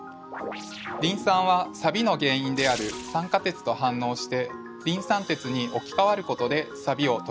リン酸はサビの原因である酸化鉄と反応してリン酸鉄に置きかわることでサビを取ります。